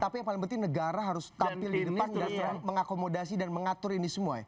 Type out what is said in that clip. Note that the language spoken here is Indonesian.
tapi yang paling penting negara harus tampil di depan dan mengakomodasi dan mengatur ini semua ya